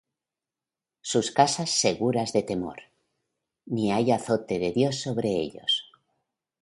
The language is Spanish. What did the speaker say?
Sus casas seguras de temor, Ni hay azote de Dios sobre ellos.